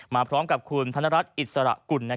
มาพร้อมกับคุณธนรัฐอิสระกุล